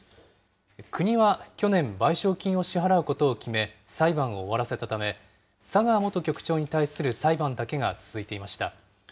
国は去年、賠償金を支払うことを決め、裁判を終わらせたため、佐川元局長に対する裁判だけが続いていました。